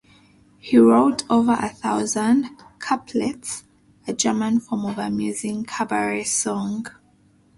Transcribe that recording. He wrote over a thousand "Couplets", a German form of amusing cabaret song.